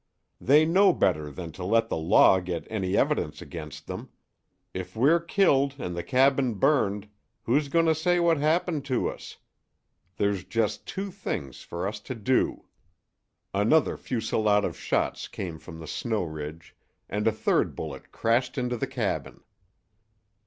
They know better than to let the Law get any evidence against them. If we're killed and the cabin burned, who's going to say what happened to us? There's just two things for us to do " Another fusillade of shots came from the snow ridge, and a third bullet crashed into the cabin.